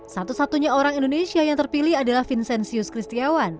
satu satunya orang indonesia yang terpilih adalah vincenzius kristiawan